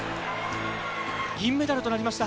銀メダルとなりました。